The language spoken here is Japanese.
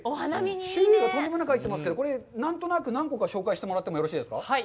種類がとんでもなく入ってますけど、これ何となく何個か紹介してもらってもいいですか。